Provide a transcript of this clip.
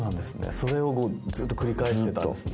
それを繰り返してたんですね。